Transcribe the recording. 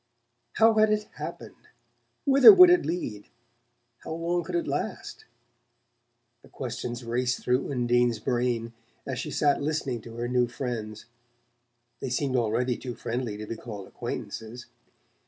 How had it happened, whither would it lead, how long could it last? The questions raced through Undine's brain as she sat listening to her new friends they seemed already too friendly to be called acquaintances!